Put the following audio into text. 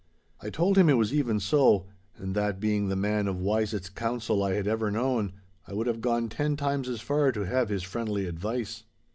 I told him it was even so, and that, being the man of wisest counsel I had ever known, I would have gone ten times as far to have his friendly advice.